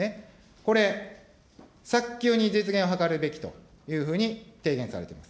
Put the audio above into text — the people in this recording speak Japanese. これ、早急に実現を図るべきというふうに提言されています。